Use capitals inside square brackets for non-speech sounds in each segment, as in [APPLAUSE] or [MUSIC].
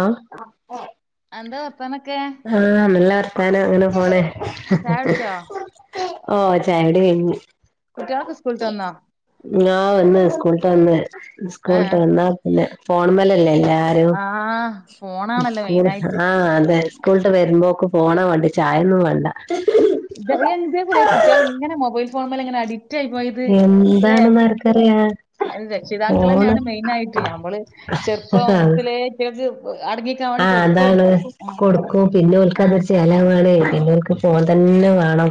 ആഹ് എന്താ വർത്താനൊക്കെ ആഹ് നല്ല വർത്താനം അങ്ങനെ പോണ് ചായ കുടിച്ചോ ഓ ചായുടി കയ്ഞ്ഞ് കുട്ട്യാളൊക്കെ സ്കൂള്ട്ട് വന്നോ ആഹ് വന്ന് സ്കൂള്ട്ട് വന്ന് ഏ സ്കൂള്ട്ട് വന്നാ പിന്നെ ഫോണ് മ്മലല്ലേ എല്ലാ ആഹ് ഫോണാണല്ലോ മെയിനായിട്ട് ആഹ് അതെ സ്കൂള്ട്ട് വെരുമ്പോക്ക് ഫോണാ വാണ്ടിയെ ചായൊന്നും വാണ്ട ഇത് ഇതേപോലെ കുട്ടികൾ ഇങ്ങനെ മൊബൈൽ ഫോണ് മ്മല്ങ്ങനെ അഡിറ്റായി പോയ് ത് ല്ലെ എന്താണെന്ന് ആർക്കറിയാ അയ്ന് ഫോണ് രക്ഷിതാക്കളെന്നെണ് മെയിനായിട്ട് ഞമ്മള് ചെർപ്പത്തിലേ ഇയ്റ്റേക്ക് ആഹ് അതാണ് കൊട്ക്കും പിന്നെ ആ ഓൽക്കതൊര് ചേലാവാണെ പിന്നോൽക്ക് ഫോൺ തന്നെ വാണം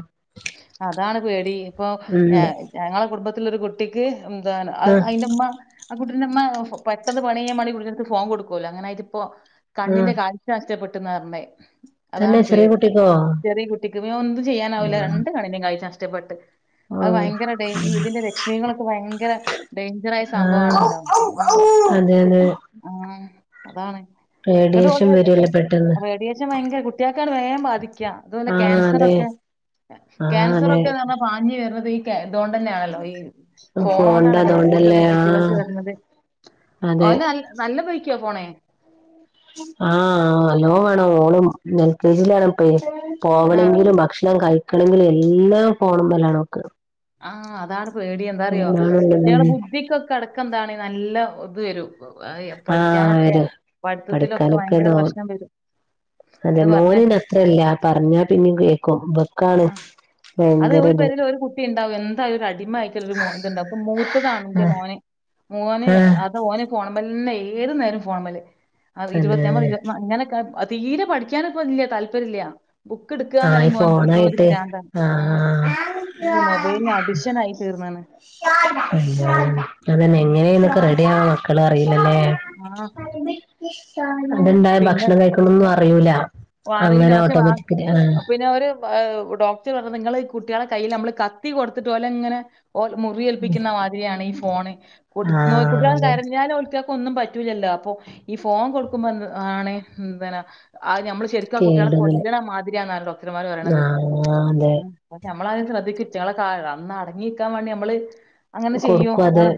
അതാണ് പേടി ഇപ്പൊ ഉം ഞങ്ങളെ കുടുംബത്തില്ലൊരു കു ട്ടിക്ക് എന്താണ് അത് ആഹ് അയ്ന്റെമ്മ ആ കുട്ടിന്റമ്മ പെട്ടെന്ന് പണികയ്യാമാണ്ടി കുട്ടിന്റെട്ത്ത് ഫോൺ കൊടുക്കോല്ലോ അങ്ങനായിറ്റ്പ്പം ആഹ് കണ്ണിന്റെ കാഴ് ഴ്ച്ച നഷ്ടപ്പെട്ട്ന്നാർഞ്ഞേ തന്നെ അതാണ് പേ ചെറിയ കുട്ടിക്കോ ചെറിയ കുട്ടിക്ക് പിന്നൊന്നും ചെയ്യാനാവൂല അള്ളാ രണ്ട് രണ്ട് കണ്ണിന്റെ കാഴ്ച്ചിം നഷ്ടപ്പെട്ട് അത് ഓഹ് ഭയങ്കര ഡയ് ഇതിന്റെ രക്ഷ്മികളെക്കെ ഭയങ്കര- ഡയ്ഞ്ചറായ ആഹ് സംഭവാണല്ലോ ആഹ്- അതെ അതെ- ആഹ് അതാണ്- എന്നിട്ട് റേഡിയോഷൻ ഓല് വരല്ലേ പ്പെ റേഡിയേഷൻ ഭയങ്കര കുട്ട്യോക്കാണ് വേഗം ബാധിക്ക അത്പോലെ ആഹ് അതെ ക്യാൻസറെക്കെ- ആഹ് അതെ ക്യാൻസറെക്കെ ന്ന് പറഞ്ഞാ- ഇഞ്ഞ് വരുന്നത് ഈ ഇതൊണ്ടന്നെണല്ലോ ഈ ഫോണിന്റെ ഫോണോണ്ടാണല്ലോ അതുകൊണ്ടല്ലേ കൂടുതലും കുട്ടികൾക്ക് ആഹ് വരുന്നത്- അതെ ഓന നല്ല പൈക്ക്യ പോണേ? ആഹ് നല്ലോ വേണം ഓളും എൽ കെ ജിലാണപ്പെ ആഹ് പോകണങ്കിലും ഭക്ഷണം കഴിക്കണങ്കിലും എല്ലാം ഫോണ് മലാ നോക്ക- ആഹ് അതാണ് പേടി എന്താറിയോ അതാണുള്ളത് കുട്ട്യോളെ ഉം ബുദ്ധിക്കൊക്കെ അടക്ക എന്താണ് നല്ല ഇത് വരും. ആഹ് പഠിക്കാനൊക്കെ വരും പഠിത്തത്തിലൊക്കെ പഠിക്കാനൊക്കെ ഭയങ്കര തോ പ്രശ്നം വരും. അതെ അത് മോന് പറഞ്ഞേക്കാം അത്രല്ല പറഞ്ഞാ പിന്നെ കേക്കും ഇവക്കാണ്- ഉം അത് ഭയങ്കര ഒരു ഇത് പേര്യോല് ഒരു കുട്ട്- കുട്ടിണ്ടാവും എന്തായാലും ഒരു അടിമ ആയിട്ടെരു ഇത്ണ്ടാവും അപ്പൊ മൂത്തതാണ് എന്റെ ആഹ് മോന് മോന്- ആഹ് ഓന് ഫോണ് മലന്റെ ഏത് നേരം ഫോണ് മല് ഇരുവ തന്നെ ഇരുപത്തിനാ ഇങ്ങനെ- തീരെ പഠിക്ക്യാനപ്പല്ല താല്പര്യല്ല. ആഹ് ഫോണായിട്ട് ആഹ് ഈ മൊബൈലിന് അഡിക്ഷൻ ആയി തീർന്നാണ് ആഹ് ഇപ്പന്നെ ഉം എങ്ങനെ എങ്ങനെക്കെ റെഡിയാവ മക്കള് അറിയുല്ലേ ആഹ് അത്ണ്ടായ പിന്നെ ഭക്ഷണം കഴി ക്ക്ണെന്നും അറിയൂല അങ്ങനെ ഓട്ടോമാറ്റിക് അപ്പൊ പിന്നവര് ഡോക്ടറ് പറഞ്ഞത് നിങ്ങള് ഈ കുട്ട്യോളെ കയ്യില് നമ്മള് കത്തി കൊടുത്തിട്ട് ഓലങ്ങനെ ഓൽക്ക് മുറിയേൽപ്പിക്കുന്ന മാതിരിയാണ് ഈ ഫോണ് ആ കൊടുക്കുന്നത് കുട്ട്യോള് അതെ കരഞ്ഞാല് ഓൽക്ക് ഒന്നും പറ്റൂലല്ലോ അപ്പൊ ഈ ഫോൺ കൊടുക്കുമ്പോ ആണ് എന്തന അത്‌ നമ്മള് ശെരിക്കും ആ കുട്ട്യോളെ കേടൊന്നില്ല കൊല്ലണ മാതിരിയാണ് ഡോക്ടർമാര് പറയുന്നത് ആ അതെ ഉം പക്ഷെ നമ്മള് ആരിം ശ്രദ്ധി ഇറ്റളെ കാര്യല്ല ഒന്ന് അടങ്ങിരിക്കാൻ വേണ്ടി നമ്മള് അങ്ങനെ ചെയ്യും കൊടുക്വത് അതാണ്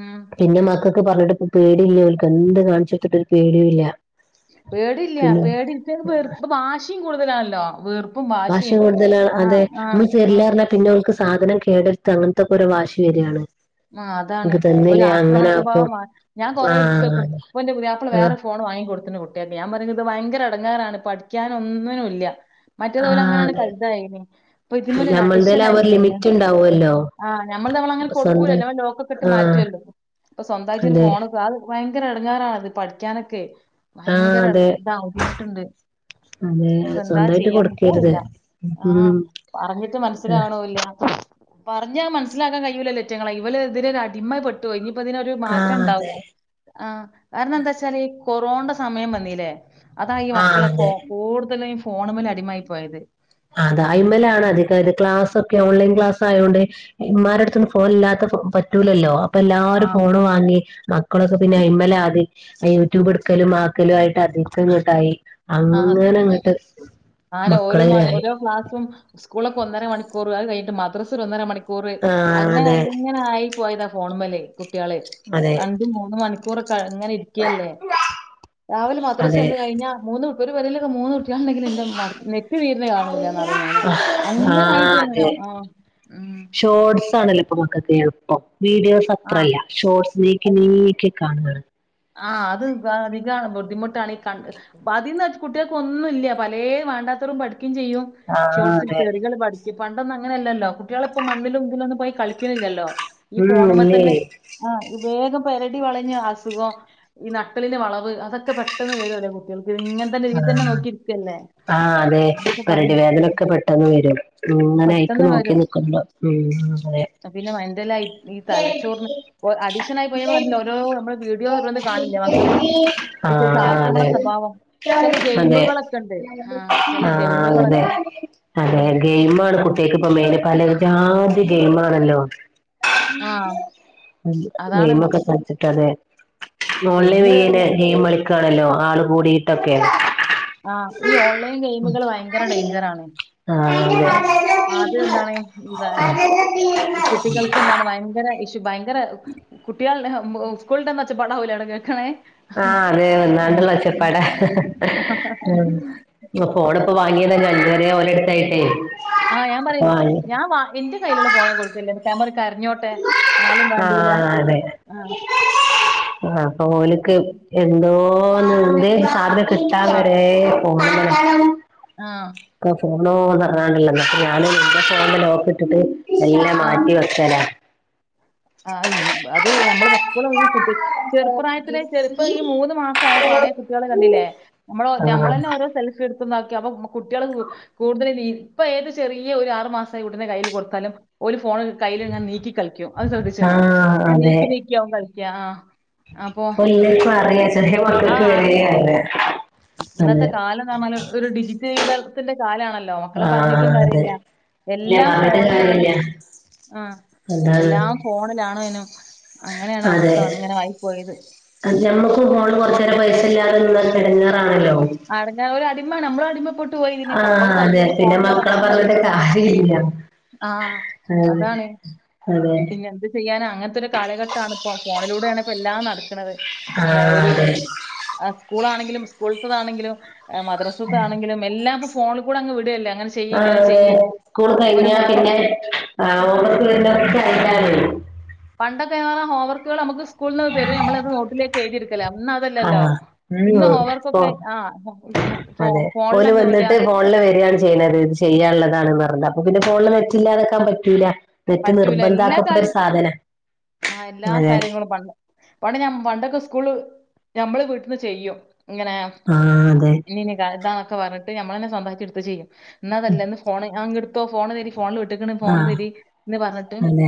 ഉം പിന്നെ മക്കെക്ക് പറഞ്ഞിട്ട്പ്പൊ പേടില്ല അവക്ക് എന്ത് കാണിച്ചുടുത്തിട്ട് ഒരു പേടിയില്ല പേടില്ല പേടിട്ട വെറുപ്പ് വാശിയും കൂടുതലാണല്ലോ വെറുപ്പ വാശിയും കൂടുതലാണ് അതെ നമ്മൾ ആ തരില്ലാന്ന് പറഞ്ഞാ- പിന്നവൾക്ക് സാധനം കേടെടുത്ത് അങ്ങനത്തെക്കെ ഒരു വാശി വരിയാണ്- ആ അതാണ് ഒരു ആക്രമണ സ്വഭാവം ഞാൻ കൊറെ എടുത്തേക്കും ആഹ് ഇപ്പൻ്റെ പുതിയാപ്ല ആഹ് വേറെ ഫോൺ വാങ്ങി കൊടുത്തിട്ടു കൊട്ടും കുട്ടിയ്ക്ക് ഞാൻ പറഞ്ഞത് ഭയങ്കര അടങ്ങാറാണ് പഠിക്കാൻ ഒന്നിനും ഇല്ല മറ്റേ തോലും ആഹ് അങ്ങനെയാണ് അതെ കരുതാനി ഇപ്പൊ ഇതിൻമേല് അഡിഷൻ ഞമ്മൾതേല് ആയി അവർ തീർന്ന് ലിമിറ്റ് ഉണ്ടാവുമല്ലോ ആഹ് നമ്മള് നമ്മളങ്ങനെ സ്വന്തം കൊടുക്കൂലല്ലോ നമ്മള് ലോക്കെട്ട് ആഹ് മാറ്റുവല്ലോ ഇപ്പൊ സ്വന്തമായിട്ട് ഒരു അതെ ഫോൺക്ക - ഭയങ്കര ഇടങ്ങാറാണത് പഠിക്കാനൊക്കെ ആഹ് ഭയങ്കര ഇത് അതെ ബുദ്ധിമുട്ടുണ്ട് അതെ ഇപ്പ എന്താ സ്വന്തായിട്ട് ചെയ്യാ കൊടുക്കരുത് എനിക്കറീല്ല ഉം ആഹ് പറഞ്ഞിട്ട് മനസ്സിലാവണൂല്ല പറഞ്ഞാ മനസ്സിലാക്കാൻ കഴയൂല്ലല്ലോ ഇവറ്റകളെ ഇവള് ഇതിനൊരു അടിമപ്പെട്ടു- പോയി ഇനിയിപ്പോ അതിനൊരു മാറ്റം ആഹ് ഉണ്ടാവില്ല അതെ ആഹ് കാരണം എന്താ വച്ചാല് ഈ കൊറോണന്റെ സമയം വന്നീല്ലേ അതാ ഈ ആഹ് മക്കളെ ഫോ അതെ കൂടുതലും ഈ ഫോണ്മേല് അടിമായി പോയത് അടൈമിലാണ് അധികവര് ക്ലാസ്സൊക്കെ ഓൺലൈൻ ക്ലാസായോണ്ട്- ഇമ്മാരെടുത്തൊന്നും ഫോൺ ഇല്ലാത്ത പ്പ പറ്റൂല്ലല്ലോ. അപ്പോ എല്ലാരും ആഹ് ഫോണും വാ മന്തി മക്കളൊക്കെ പിന്നെ അയമ്മ്ലാ ആദ്യേ യൂട്യൂബ് എടുക്കലും ആക്കലും ആയിട്ട് അതിൽത്തെങ്ങ്ട്ടായി ആഹ് അങ്ങന അങ്ങട്ട് അങ്ങനെ ഓരോ മ മക്കളതിലായി ഓരോ ക്ലാസും സ്കൂളൊക്കെ ഒന്നര മണിക്കൂറ്. അത് കഴിഞ്ഞട്ട് മദ്രസ ഒര് ഒന്നര മണിക്കൂറ്. ആഹ് അങ്ങനെ അതെ അങ്ങനെ ആയി പോയതാ ഫോണ് മ്മല് കുട്ട്യാളേ. രണ്ടും മൂന്ന മണി ക്കൂറ് ഇങ്ങനെ ഇരിക്കല്ലേ? അതെ രാവിലെ മദ്രസ അതെ വന്ന് കഴിഞ്ഞ മൂന്ന് ഒരു പെരയിലൊക്കെ മൂന്ന് കുട്ടികളണണ്ടെങ്കിൽ എന്റെ ഉമ്മ നെറ്റ് തീരെണ് കാണൂലാന്ന് പറയും ഞാന്. അങ്ങനെ ആയി ആഹ് തീർന്നനാ അതെ ആഹ് ഉം ഷോർട്സ് ആണ് എല്ലാപ്പ മക്കക്ക്. എളുപ്പം. വീഡിയോസ് ആഹ് അത്രല്ല ഷോർട്സിനേക്ക് നീക്കി നീക്കി കാണണത്. ആഹ് അത് ദ് അധികാണ്. ബുദ്ധിമുട്ടാണ്. ഈ കണ്ട് പ്പ അതിൽന്നന്ന് കുട്ടികൾക്ക് ഒന്നൂല്ല്യ. പല വേണ്ടാത്തരും പഠിക്കും ചെയ്യും. ആഹ് ഷോർട്സിൽ അതെ തെറികള് പഠി ഈ പണ്ടൊന്നും അങ്ങനെയല്ലല്ലോ. കുട്ടികള് ഇപ്പോ മണ്ണിലും ഇതിലൊന്നും പോയി കളിക്കണില്ലല്ലോ. ഈ ഉം ഇല്ലേ ഫോണുംമ്മതന്നെ ആഹ് വേഗം പെരടി വളഞ്ഞ് അസുഖം ഈ നട്ടല്ലിന്റെ വളവ് അതൊക്കെ പെട്ടെന്ന് വരും ഒരോ കുട്ട്യോൾക്ക്. ഇങ്ങനത്തെന്റെ ഇതിൽ തന്നെ ആഹ് നോക്കിയിരിക്കല്ലേ. ആഹ് അതെ അങ്ങനെയൊക്കെ പെരടി പറയും വേദനൊക്കെ പെട്ടെന്ന് വരും. ഇങ്ങനെയിക്ക് പെട്ടെന്ന് നോക്കി വരും നിക്കുമ്പോ ഉം അതെ പിന്നെ മെൻഡലായി ഈ തലച്ചോറിന് ഓഹ് അഡീഷൻ ആയി പോയ പോരല്ലോ ഓരോ നമ്മടെ വീഡിയോ [UNINTELLIGIBLE] മക്കള് തീർച്ച ആഹ് ആക്രമണ അതെ സ്വഭാവം ചില അതെ. ഗെയിമുകളൊക്കെ ഉണ്ട് ആ ചില ആഹ് അതന്നേ. ഗെയിമുകളൊക്കെ അതെ ഉം ഗെയിമാണ് കു ത്തേക്ക്പ്പ മേന് പല ജാതി ഗെയിമാണല്ലോ ആ അതാണ് ഗെയിമൊക്കെ കളിച്ചിട്ടാല്ലേ? മോളില് ഗെയിം വെയ്ന് ഗെയിംമളിക്കാണല്ലോ. ആള് കൂടിയിട്ടൊക്കെ. ആഹ് ഈ ഓൺലൈൻ ഗെയിമുകള് ഭയങ്കര ഡേഞ്ചരാണ്. ആഹ് ഏഹ് അത് എന്താണ്? എന്താണ് അതെ കുട്ടികൾ എന്താണ് ഭയങ്കര ഇഷ്യു. ഭയങ്കര കുട്ടികളുടെ ഉം സ്കൂൾ തൻ വെച്ച പടാവൂലേ അവടെ കേക്കണ്. ആഹ് അതെ ആ വന്നാണ്ട്ള്ള ഒച്ചപ്പാടാ. ഫോണ് ഇപ്പ വാങ്ങിയതല്ലേ? [UNINTELLIGIBLE] ഓല അട്ത്തായിട്ടേ ആഹ് ഞാൻ പറയും. ഞാൻ വാ എന്റെ കയ്യിലുള്ള ഫോൺ ഞാൻ കൊട്ക്കില്ല. [UNINTELLIGIBLE] കരഞ്ഞോട്ടെ ന്നാലും വാണ്ടൂല്ല. ആഹ് അതെ ആഹ് ആഹ് അപ്പ ഓലിക്ക് എന്തോന്ന് എന്ത് സാധനം കിട്ടാ വരെ ഓർ [UNINTELLIGIBLE] ആഹ് [UNINTELLIGIBLE] അപ്പ ഞാന് ന്റെ ഫോണ്ന് ലോക്ക് ഇട്ടിട്ട് എല്ലാം മാറ്റി വ [UNINTELLIGIBLE] ആഹ് ഈ അത് ഞമ്മള് [UNINTELLIGIBLE] ചെറുപ്രായത്തിലെ ചെറുപ്പം ഈ മൂന്ന് മാസമായ പാടെ കുട്ടികളെ കണ്ടില്ലേ? നമ്മള ആഹ് നമ്മളന്നെ ഓരോ സെൽഫ് എടുത്ത്ന്നാക്കി അപ്പോ കുട്ട്യാളും ക് കൂടുതലും ഈ ഇപ്പോ ഏത് ചെറിയ ഒരു ആറു മാസായ കുട്ടിന്റെ കയ്യില് കൊടുത്താലും ഓല് ഫോണ് കയ്യിലിങ്ങനെ നീക്കി കളിക്കും. അത് ശ്രദ്ധിച്ച്ണോ? ആഹ് ങ്ങനെ നീക്കി നീക്കിയാവും കളിക്കാ. ആഹ് ഓഹ് ഇല്ലേൽ [UNINTELLIGIBLE] ചെറിയ ആ മക്കൾക്ക് അറിയാം വേണ്ടിയാണ്. ഇന്നത്തെ കാലം നമ്മള്, ഒരു ഡിജിറ്റൽ യുഗത്തിന്റെ കാലാണല്ലോ മക്കളെ പറഞ്ഞിട്ടും ആഹ് അതെ കാര്യമില്ല ഇല്ല എല്ലാം പറഞ്ഞിട്ട് ഫോണിലാണ് കാര്യല്ല ആഹ് എന്താണ് എല്ലാം ഫോണിലാണേനും അങ്ങനെയാണ് അവസ്ഥ അങ്ങനെ ആയി പോയത് ആഹ് ഞമ്മക്ക് ഫോണിൽ കൊറച്ച് നേരം പൈസ ഇല്ലാതെ നിന്നാ ഇടങ്ങേറാണല്ലോ [UNINTELLIGIBLE] അടിമ നമ്മള് അടിമപ്പെ ട്ട് പോയി പിന്നെ ആഹ് നമ്മുക്ക് അതെ കൈയൂല പിന്നെ ഫോണില്ലാതെ മക്കളെ നമ്മുക്ക് പറഞ്ഞിട്ട് കയ്യൂല്ല കാര്യല്ല ആഹ് ആഹ് അതാണ് അതെ പിന്നെന്ത് ചെയ്യാനും അങ്ങനത്തെ ഒരു കാലഘട്ടമാണ് ഇപ്പോ ഫോണിലൂടെയാണ് ഇപ്പോ എല്ലാം നടക്കണത് ആഹ് ഒരു അതെ ആഹ് സ്കൂളാണെങ്കിലും സ്കൂളത്തതാണെങ്കിലും മദ്രാസത്താണെങ്കിലും എല്ലാം ഫോണിൽ കൂടെ അങ്ങ് വിടുവല്ലേ അങ്ങനെ ചെയ്യ് ആഹ് ഇങ്ങനെ അതെ ചെയ്യ് സ്കൂൾ ആഹ് ഒരു കഴിഞ്ഞാ ഹോംവർ പിന്നെ ആ ഹോം വർക്ക്‌ വരുന്നതൊക്കെ [UNINTELLIGIBLE] പണ്ടൊക്കെ എന്ന് പറഞ്ഞാ ഹോംവർക്കുകൾ നമുക്ക് സ്കൂളീന്ന് തരുവേയും നമ്മളത് നോട്ടിലേക്ക് എഴുതി എടുക്കും അന്ന് അതല്ലല്ലോ ആഹ് ഉം ഇന്ന് ഹോം ഓ വർക്കൊക്കെ ആ അതെ ഓല് വന്നിട്ട് ഫോണില് വരികയാണ് ചെയ്യണത് ഇത് ചെയ്യാനുള്ളതാണ് എന്ന് പറഞ്ഞിട്ട് അപ്പൊ പിന്നെ ഫോണില് നെറ്റ് ആഹ് ഇല്ലാതാക്കാൻ പറ്റൂല നെറ്റ് പറ്റൂല എല്ലാ നിർബന്ധാക്കപ്പെട്ട ഒരു കാര്യം സാധനാ ആ എല്ലാ അതെ കാര്യങ്ങളും പ പണ്ട് ഞ പണ്ടൊക്കെ സ്കൂള് ഞമ്മള് വീട്ടീന്ന് ചെയ്യും ഇങ്ങനെ ആഹ് അതെ ഇങ്ങനൊക്കെയാണ് ഇതാന്നൊക്കെ പറഞ്ഞിട്ട് ഞമ്മള് തന്നെ സ്വന്തമായിട്ട് എടുത്ത് ചെയ്യും ഇന്നതല്ല ഇന്ന് ഫോണ് ആ ഇങ്ങെടുത്തോ ഫോണ് തരിൻ ഫോൺ വിട്ടേക്കണ് ഫോണ് ആഹ് തരിൻ എന്ന് പറ അതെ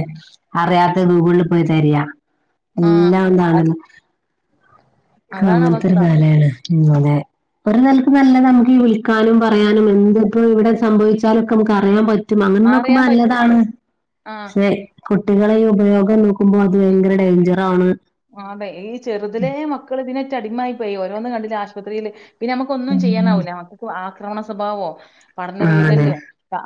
അറിയാത്തത് ഗൂഗിളിൽ പോയി തെരയാ ആ എല്ലാം അ- എന്താണല്ലോ അതാണ് അങ്ങനത്തെ ഒരു അവസ്ഥ കാലമാണ് അതെ ഒരു നെലക്ക് നല്ലതാ നമുക്ക് ഈ വിളി നും പറയാനും എന്തൊക്കെ ഇ ഇവിടെ സംഭവിച്ചാലും ഒക്കെ നമുക്ക് അറിയാൻ പ റ്റും അങ്ങനെ നോക്കുമ്പോ അറിയാൻ പറ്റും നല്ലതാണ് ആ പക്ഷേ കുട്ടികളെ ഈ ഉപയോഗം നോക്കുമ്പോ അത് ഭയങ്കര ഡേഞ്ചറ് ആണ് ആഹ് അതെ ഈ ചെറുതിലെ മക്കൾ ഇതിനെറ്റ അടിമയായി പോയി ഓരോന്ന് കണ്ടില്ലേ ആശുപത്രീല് പിന്നെ നമുക്കൊന്നും ഉം ചെയ്യാനാവൂല്ല മക്കക്ക് ആക്രമണ സ്വഭാവമോ പഠന ആ അതെ വൈകല്യവോ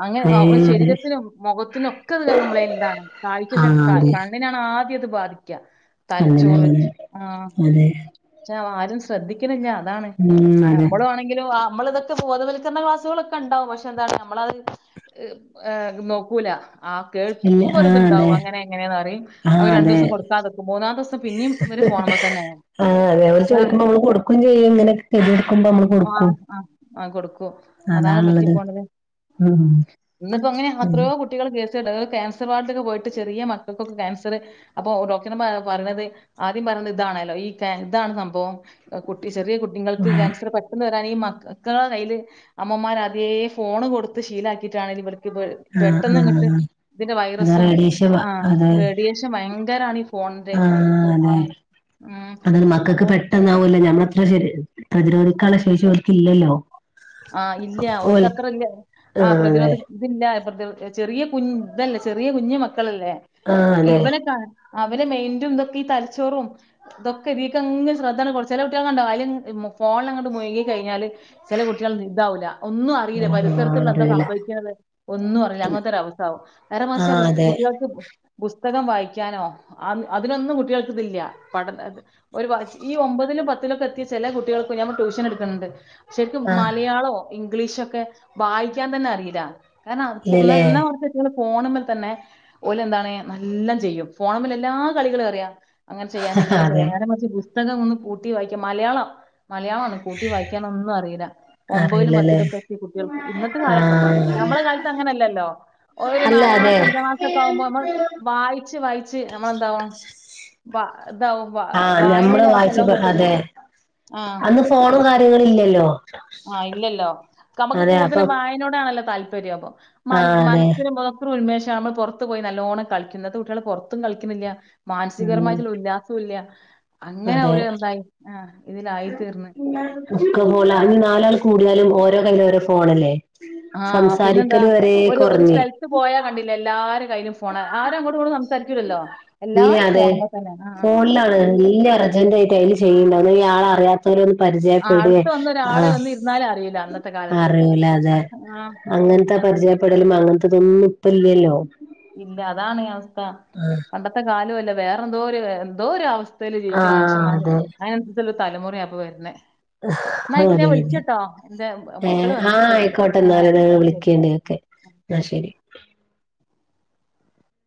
അങ്ങനെ ഏ ഒരു അതെ ശരീരത്തിനും മുഖത്തിനും ഒക്കെ അത് കംപ്ലയിന്റ് ഇതാണ് കാഴ്ച ആ ശ കാ അതെ ക ണ്ണിനെ അണ് ആദ്യം ഇത് ബാധിക്കുക കണ്ണിന് അങ്ങനെ അതെ വെച്ചാ ആരും ശ്രദ്ധിക്കണില്ല അതാണ് ഉം അതെ നമ്മള് ആണെ ങ്കിലും നമ്മള് ഇതൊക്കെ ബോധവൽക്കരണ ക്ലാസുകളൊക്കെ ഉണ്ടാവും പക്ഷെ എന്താണ് നമ്മളത് നോക്കൂല ആഹ് ഇല്ല കേട്ടുക്കുമ്പോ ഒരു ആ അതെ ഇതുണ്ടാവും അങ്ങനെ എങ്ങനെയെന്ന് പറയും ആ അവര് രണ്ട് അതെ ദിവസം കൊടുക്കാതെ നിക്കും മൂന്നാമത്തെ ദിവസം പിന്നെയും ഇവര് ഫോണുമേൽ തന്നെയാ ആഹ് അതെ അവര് ചോദിക്കുമ്പോ നമ്മള് കൊടുക്കുവേയും ചെയ്യും [UNINTELLIGIBLE] നമ്മള് കൊടുക്കും ആഹ് ആഹ് ആ കൊടുക്കും അതാണ് പറ്റി അതാണുള്ളത് പോണത് ഉം ഇന്നിപ്പോ അങ്ങനെ ഉം അത്രയോ കു കുട്ടികൾ കേസ് ക്യാൻസർ വാർഡ്‌ക്ക് പോയിട്ട് ചെറിയ മക്കൾക്കൊക്കെ ക്യാൻസർ അപ്പോ ഡോ ക്ടർ പറയണത് ആദ്യം പറയണെ ഇതാണല്ലോ ഈ ഇതാണ് സംഭവം കുട്ടി ചെറിയ കു ഞ്ഞുങ്ങൾക്ക് ആഹ് ക്യാൻസർ പെ ട്ടന്ന് വരാൻ ഈ മക്കളെ കയ്യില് അമ്മമാർ അതേ ഫോൺ കൊടുത്ത് ശീലാക്കിട്ടാണ് ഇതിവിടെ ആഹ് പെട്ടെന്ന് ഇങ്ങട്ട് ആഹ് ഇതിന്റെ അത് വൈറസും റേഡിയേഷൻ ആ അത് റേഡിയേഷൻ ഭയങ്കര ആണ് ഈ ഫോണിന്റെ ആഹ് അല്ലേ ആഹ് ഉം അതാണ് മക്കക്ക് അത് പെട്ടന്നാവൂല്ലോ ഞമ്മളത്ര ശ പ്രതിരോധിക്കാനുള്ള ശേഷി ഓൽക്കില്ലല്ലോ ആ ഇല്ല്യ ഓൽ ഓൽക്കത്ര ഇല്ല്യ ആ ആഹ് പ്രതിരോധി ഇതില്ല ചെറിയ കു ഇതല്ലേ ചെറിയ കുഞ്ഞു മക്കളല്ലേ അതെ ഇവനെ കാ അവരെ മെയിന്റും ഇതൊക്കീ തലച്ചോറും തൊക്ക ഇതീക്കങ്ങ് ശ്രദ്ധണ് കൊട് ചെലെ കുട്ടീള് കണ്ടൊ അയില് ഫോൺലങ്ങ്ട്ട് മുഴുകി കഴിഞ്ഞാല് ചെലെ കുട്ടീള് നി ഇതാവൂല ഒന്നും അറീല്ല ആഹ് പരിസരത്ത്ള്ള അതെ ആഹ് എന്ത അറിയില്ല സംഭവിക്ക്ണത് ഒന്നും അറില അങ്ങൻത്തൊരു അവസ്ഥാവും നേരെ മറിച് ആഹ് ബുസ് അതെ കുട്ടികൾക്ക് പുസ്തകം വായിക്കാനോ അ അതിനൊന്നും കുട്ടികൾക്കിതില്ല പഠന ഒരു ഈ ഒമ്പതിലും പത്തിലൊക്ക എത്തിയ ചെല കുട്ടികൾക്ക് ഞാൻ ട്യൂഷൻ ഇട്ക്ക്ണ് ണ്ട് ശരിക് ആഹ് മലയാളോ ഇംഗ്ലീഷൊക്കെ വായിക്കാൻ തന്നെ അറീല കാര്ണം ഇന്ന ഇല്ലല്ലേ ഇന്നാ ഓൽക് ഫോണ്മ്മൽ തന്നെ ഓല് എന്താണ് നല്ലം ചെയ്യും ഫോണ്മ്മല് എല്ലാ കളികളും അറിയ അങ്ങനെ ചെയ്യാന് ഇങ്ങനെ ചെയ്യ അതെ നേരെ മറീച് പുസ്തകം ഒന്ന് കൂട്ടി വായിക്കാ മലയാളം മലയാളാണ് കൂട്ടി വായിക്കാനൊന്നു അറീല ഒമ്പതിലും അറിയില്ലല്ലേ പത്തിലൊക്ക എത്തിയ കുട്ടീൾക്ക് ഇന്നത്തെ കാലട്ടൊ പൺ ആഹ് നമ്മളെ കാലത്ത് അങ്ങനല്ലല്ലൊ ഒരു അല്ല നാലാം അതെ ക്ലാസ്സ്‌ അഞ്ചാം ക്ലാ ക്കാവുമ്പൊ നമ്മൾ വായിച്ച് വായിച്ച് നമ്മളെന്താവും വാ ഇതാവും വ ആഹ് വായനേല് ഞമ്മള് വായിച്ച് നമുക്കെല്ലാം കിട്ടല്ലോ അതേ ആ അന്ന് ഫോണും കാര്യങ്ങളും ഇല്ലല്ലോ ആഹ് ഇല്ലല്ലോ കമക്ക് അതെ അപ്പൊ കൂടുതലും വായനോടണല്ലോ താല്പര്യ ഇപ്പൊ മ ആഹ് അതെ മൻസ്സിന് [UNINTELLIGIBLE] ഉന്മേഷാണ് നമ്മൾ പുറത്ത് പോയി നല്ലോണം കളിക്ക്ന്നത് ഇന്നത്തെ കുട്ടീള് പൊറ്ത്തും കൾക്കിന്നില്ല ഉം മാനസികരമായിട്ട്ള്ളൊ ഇല്ല ല്ല അങ്ങനെ അതെ അവര് എന്തായി ആഹ് ഇതിലായിത്തീർന്ന് ഒക്കെ ഫോണിലാ ആഹ് ഇനി നാലാൾ കൂടിയാലും ഓരോ കയ്യിലും ഓരോ ഫോണല്ലേ സംസാരിക്കല് വരേ കൊറഞ്ഞ് ഇട്ട് പോയാ കണ്ടിലെ എല്ലാര കയ്യിലും ഫോണ ആരും അങ്ങോട്ടും ഇങ്ങ്ട്ടും സംസാരിക്കൂലലൊ ഇല്ല അതേ ഫോൺലാണ് ആ വല്ല അർജന്റ് ആയിട്ട് അയില് ചെയ്യ്ണ്ടാവും ഇന്ന ഈ ആളെ അറിയാ ആ പരിചയപ്പെടെ അടുത്ത് വന്നൊരാള് ആഹ് വന്ന് ഇരുന്നാലും അറിയില്ല അന്നത്തെ കാലത്ത് അറീല അതേ ആ അങ്ങൻത്ത അങ്ങ പരിചയപ്പെടലും അങ്ങൻത്തതൊന്നും ഇപ്പ ഇല്ലല്ലൊ ഇല്ല അതാണീ അവസ്ഥ ആഹ് പണ്ടത്തെ കാലൊ അല്ല വേറെന്തോര് എന്തോ ഒര് അവസ്ഥേല് ജീവിക്ക്ണ ആഹ് മനുഷ്യന്മാര് അതെ അങ്ങനെ [UNINTELLIGIBLE] തലമുറയ ഇപ്പ വരുന്നെ ഇന്നയ്ക്ക് ഞാ അതെ അതെ വിളിക്കാട്ടോ എന്റെ മക്കള് ഏഹ് വന്ന് ആഹ് സ്കൂള്ട്ടിട്ട് ആയിക്കോട്ടെ ആഹ് ശരി ഇന്നാ ശരി